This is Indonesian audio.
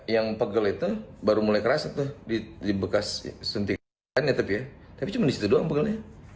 yang pegel itu baru mulai kerasa tuh di bekas suntikan ya tapi ya tapi cuma disitu doang pegelnya